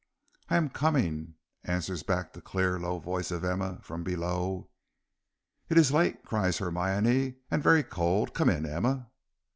"I am coming," answers back the clear, low voice of Emma from below. "It is late," cries Hermione, "and very cold. Come in, Emma."